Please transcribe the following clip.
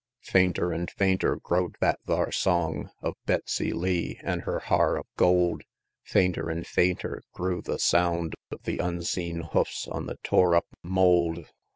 L. Fainter an' fainter grow'd that thar song Of Betsey Lee an' her har of gold; Fainter an' fainter grew the sound Of the unseen hoofs on the tore up mold.